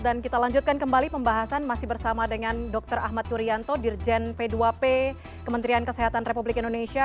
dan kita lanjutkan kembali pembahasan masih bersama dengan dr ahmad turianto dirjen p dua p kementerian kesehatan republik indonesia